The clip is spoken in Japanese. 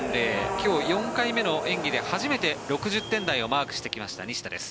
今日４回目の演技で初めて６０点台をマークしてきました西田です。